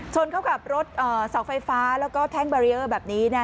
ชนเข้ากลับรถสอบไฟฟ้าแล้วก็แทงก์แบรียอร์แบบนี้นะ